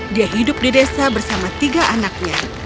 dia hidup di desa bersama tiga anaknya